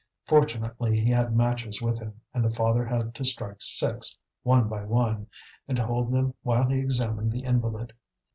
Fortunately, he had matches with him, and the father had to strike six, one by one, and to hold them while he examined the invalid.